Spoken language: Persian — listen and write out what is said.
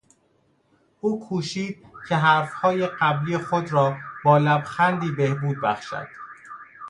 او کوشید که حرفهای قبلی خود را با لبخندی بهبود بخشد.